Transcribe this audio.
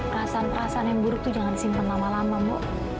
perasaan perasaan yang buruk tuh jangan simpen lama lama bu